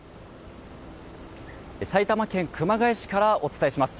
埼玉県熊谷市からお伝えします。